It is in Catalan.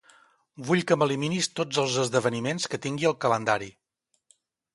Vull que m'eliminis tots els esdeveniments que tingui al calendari.